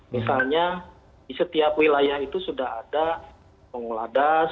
misalnya di setiap wilayah itu sudah ada pengolahan das